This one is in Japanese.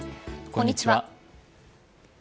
こんにちは。